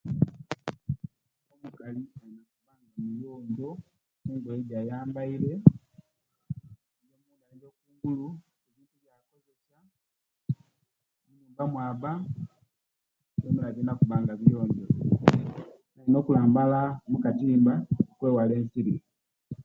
.................not clear, nokulambaala omukatimba okwewala ensiri.